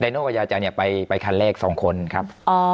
ด๊ายโน่กะอยาะจารย์เนี่ยไปคันเลขสองคนครับ